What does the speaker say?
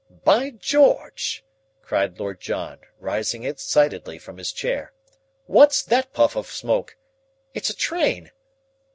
"By George!" cried Lord John, rising excitedly from his chair. "What's that puff of smoke? It's a train."